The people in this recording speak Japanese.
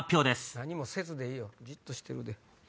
何もせずでいいよじっとしてる。